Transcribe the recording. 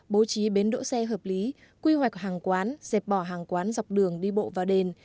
bố trí bến đỗ xe hợp lý quy hoạch hàng quán dẹp bỏ hàng quán dọc đường đi bộ và đền